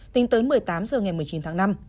tính tới một mươi tám h ngày một mươi chín tháng năm